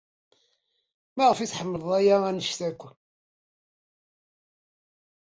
Maɣef ay tḥemmled aya anect-a akk?